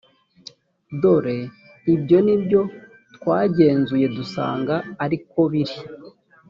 dore ibyo ni byo twagenzuye dusanga ari ko biri